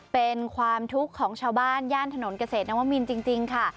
เป็นความทุกข์ของชาวบ้านย่านถนนเกษตรนวมินจริงค่ะ